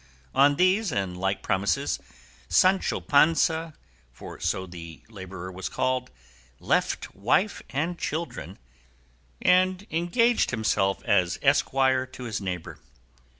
On these and the like promises Sancho Panza (for so the labourer was called) left wife and children, and engaged himself as esquire to his neighbour.